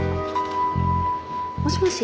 もしもし。